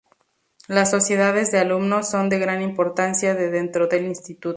Las sociedades de alumnos son de gran importancia de dentro del Instituto.